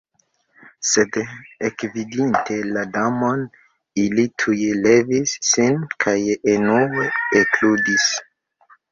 Sed ekvidinte la Damon, ili tuj levis sin kaj enue ekludis.